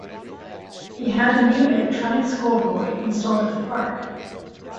He had a new electronic scoreboard installed at the park.